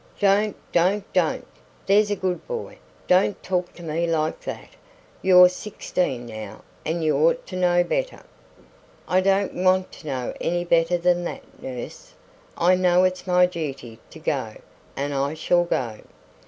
"Don't, don't, don't! there's a good boy; don't talk to me like that. You're sixteen now, and you ought to know better." "I don't want to know any better than that, nurse. I know it's my duty to go, and I shall go."